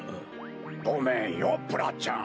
ごめんよプラちゃん。